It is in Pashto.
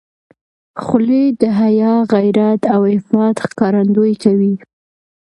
خولۍ د حیا، غیرت او عفت ښکارندویي کوي.